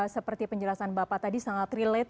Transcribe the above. seperti penjelasan bapak tadi sangat relate